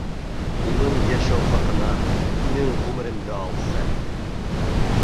Уның йәшәү хаҡына минең ғүмеремде алсы!